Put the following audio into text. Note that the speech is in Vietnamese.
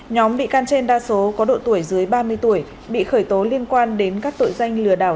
nhóm bị can trên đa số có độ tuổi dưới ba mươi tuổi bị khởi tố liên quan đến các tội danh lừa đảo